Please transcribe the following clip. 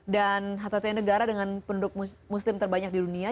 dan satu satunya negara dengan penduduk muslim terbanyak di dunia